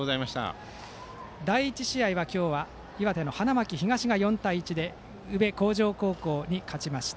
第１試合は、今日は岩手の花巻東が４対１で宇部鴻城高校に勝ちました。